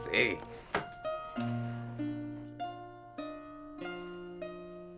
bisa enak banget